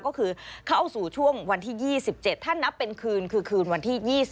ก็คือเข้าสู่ช่วงวันที่๒๗ถ้านับเป็นคืนคือคืนวันที่๒๐